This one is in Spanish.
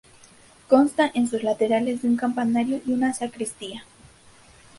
Consta en sus laterales de un campanario y una sacristía.